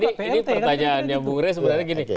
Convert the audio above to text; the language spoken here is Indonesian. nah ini pertanyaannya bung re sebenarnya begini